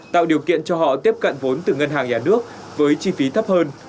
tạo điều kiện cho họ tiếp cận vốn từ ngân hàng nhà nước với chi phí thấp hơn